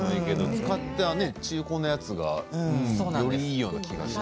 使った中古のやつがいいような気がした。